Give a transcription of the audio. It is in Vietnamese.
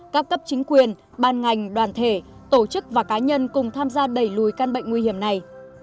các cấp chính quyền ban ngành đoàn thể tổ chức và cá nhân cùng tham gia đẩy lùi căn bệnh nguy hiểm này